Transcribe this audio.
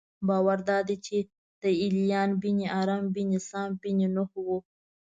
باور دادی چې ایلیا بن ارم بن سام بن نوح و.